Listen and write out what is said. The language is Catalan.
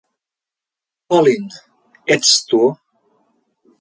Colin, ets tu?